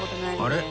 あれ？